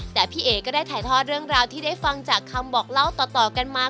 แต่พี่เอ๋ก็ได้ถ่ายทอดเรื่องราวที่ได้ฟังจากคำบอกเล่าต่อกันมา